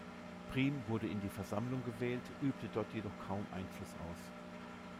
Prim wurde in die Versammlung gewählt, übte dort jedoch kaum Einfluss aus.